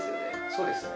そうですね。